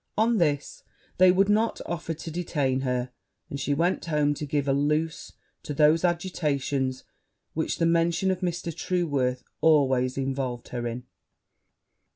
On this they would not offer to detain her; and she went home to give a loose to those agitations which the mention of Mr. Trueworth always involved her in.